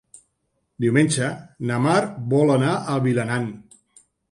Diumenge na Mar vol anar a Vilanant.